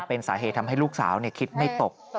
เป็นสาเหตุทำให้ลูกสาวคิดไม่ตก